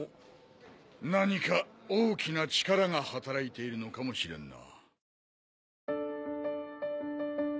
何か大きな力が働いているのかもしれんな。